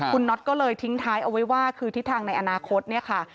คุณน็อตก็เลยทิ้งท้ายเอาไว้ว่าคือทิศทางในอนาคตเนี่ยค่ะ